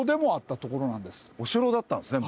お城だったんですね。